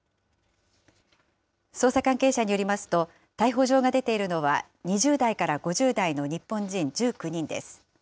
捜査関係者によりますと、逮捕状が出ているのは、２０代から５０代の日本人１９人です。